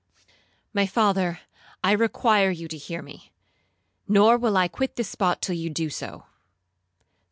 'My father, I require you to hear me, nor will I quit this spot till you do so.'